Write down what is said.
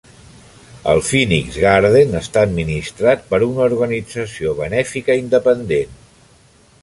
El Phoenix Garden està administrat per una organització benèfica independent.